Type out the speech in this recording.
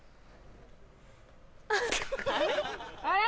あれ？